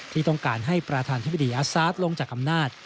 ที่ต้องการให้ประธานธิบดีอาซาสลงจากอำนาจ